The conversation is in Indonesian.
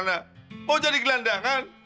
mau jadi gelandangan